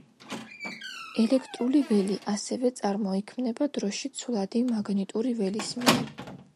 ელექტრული ველი ასევე წარმოიქმნება დროში ცვლადი მაგნიტური ველის მიერ.